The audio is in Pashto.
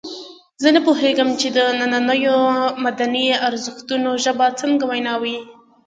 زه نه پوهېږم چې د نننیو مدني ارزښتونو ژبه څنګه وینا وي.